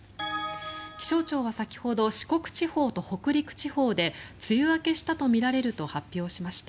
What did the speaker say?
気象庁は先ほど四国地方と北陸地方で梅雨明けしたとみられると発表しました。